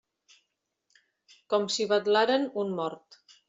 Com si vetlaren un mort.